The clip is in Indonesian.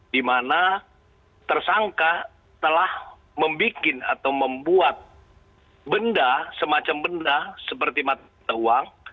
dimana tersangka telah membuat benda semacam benda seperti mata uang